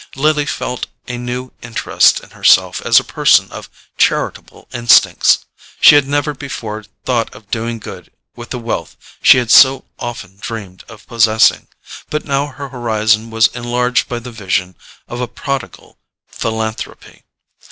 Lily felt a new interest in herself as a person of charitable instincts: she had never before thought of doing good with the wealth she had so often dreamed of possessing, but now her horizon was enlarged by the vision of a prodigal philanthropy.